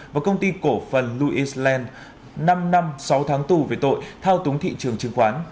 và công ty cổ phần louisland năm năm sáu tháng tù về tội thao túng thị trường chứng khoán